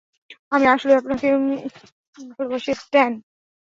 আমি আসলেই আপনাকে ভালোবাসি, স্ট্যান।